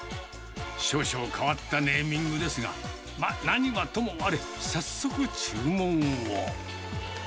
少々変わったネーミングですが、何はともあれ、早速、注文を。